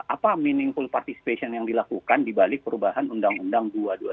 apa meaningful participation yang dilakukan dibalik perubahan undang undang dua dua ribu